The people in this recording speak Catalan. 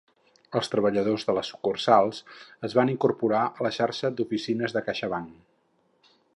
Els treballadors de les sucursals es van incorporar a la xarxa d'oficines de CaixaBank.